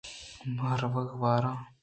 من ورگ ور آں۔